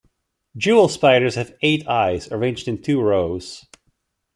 Jewel spiders have eight eyes arranged in two rows.